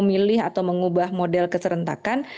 memilih atau mengubah model keserentakan